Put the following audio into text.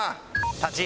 立ち？